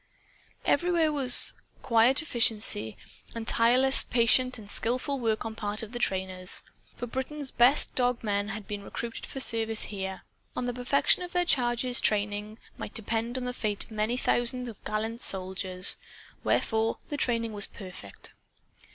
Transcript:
Everywhere was quiet efficiency and tirelessly patient and skillful work on the part of the trainers. For Britain's best dog men had been recruited for service here. On the perfection of their charges' training might depend the fate of many thousand gallant soldiers. Wherefore, the training was perfect.